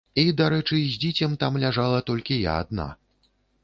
І дарэчы, з дзіцем там ляжала толькі я адна.